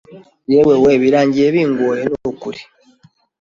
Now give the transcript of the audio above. Yewe we birangiye bingoye nukuri